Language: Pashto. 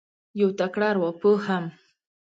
یو تکړه اروا پوه هم